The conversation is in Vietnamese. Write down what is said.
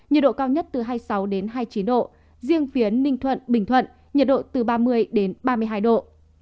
nhiệt độ cao nhất từ hai mươi sáu đến hai mươi chín độ riêng phía bình thuận nhiệt độ từ ba mươi đến ba mươi hai độ